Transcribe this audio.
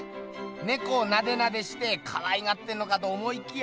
ねこをナデナデしてかわいがってんのかと思いきや。